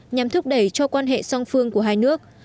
nhằm thúc đẩy cho quan hệ song phương của hai nước